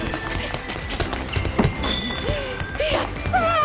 やったあ！